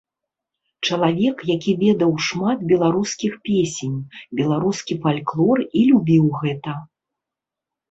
Чалавек, які ведаў шмат беларускіх песень, беларускі фальклор і любіў гэта.